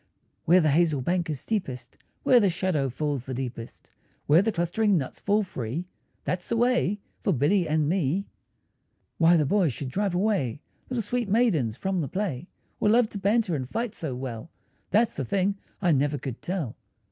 Where the hazel bank is steepest, Where the shadow falls the deepest, Where the clustering nuts fall free, That's the way for Billy and me. Why the boys should drive away Little sweet maidens from the play, Or love to banter and fight so well, That's the thing I never could tell.